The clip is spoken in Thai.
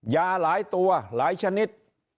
ยาหลายตัวหลายชนิด